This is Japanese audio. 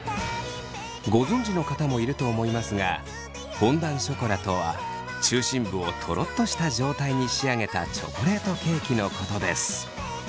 ご存じの方もいると思いますがフォンダンショコラとは中心部をトロッとした状態に仕上げたチョコレートケーキのことです。